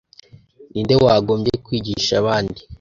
ni nde wagombye kwigisha abandi ?